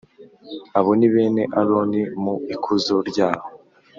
Abo ni bene Aroni mu ikuzo ryabo,